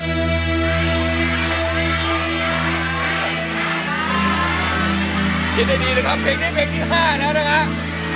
คิดได้ดีนะครับเพลงนี้เพลงที่๕แล้วนะครับ